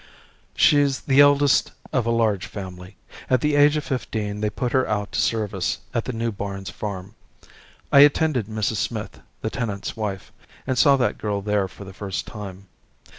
"She's the eldest of a large family. At the age of fifteen they put her out to service at the New Barns Farm. I attended Mrs. Smith, the tenant's wife, and saw that girl there for the first time.